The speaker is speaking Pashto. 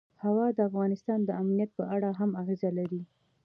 هوا د افغانستان د امنیت په اړه هم اغېز لري.